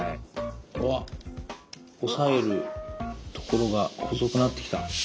うわっ押さえるところが細くなってきた。